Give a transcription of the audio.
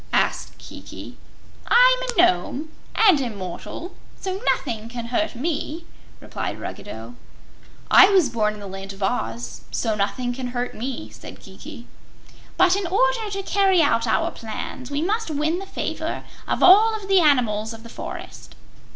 asked Kiki. "I'm a Nome, and immortal, so nothing can hurt me," replied Ruggedo. "I was born in the Land of Oz, so nothing can hurt me," said Kiki. "But, in order to carry out our plans, we must win the favor of all the animals of the forest."